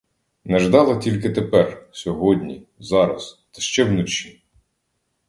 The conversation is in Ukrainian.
Не ждала тільки тепер — сьогодні, зараз, та ще вночі.